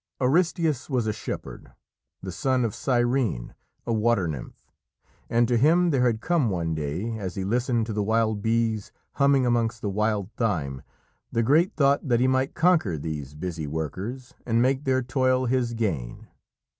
Aristæus was a shepherd, the son of Cyrene, a water nymph, and to him there had come one day, as he listened to the wild bees humming amongst the wild thyme, the great thought that he might conquer these busy workers and make their toil his gain.